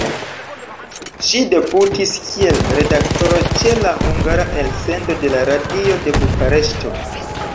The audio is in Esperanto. Ŝi debutis kiel redaktoro ĉe la hungara elsendo de la Radio de Bukareŝto.